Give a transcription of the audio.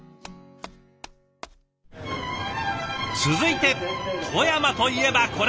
続いて富山といえばこれ！